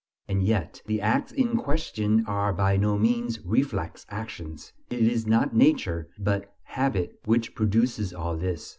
And yet the acts in question are by no means reflex actions; it is not Nature but habit which produces all this.